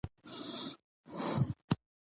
د سیاسي بي ثباتی د حل لپاره ځوانان نوښتونه کوي.